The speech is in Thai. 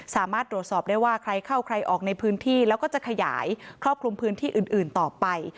สามารถตรวจสอบได้ว่าใครเข้าใครออกในพื้นที่แล้วก็จะขยายครอบคลุมพื้นที่อื่นต่อไป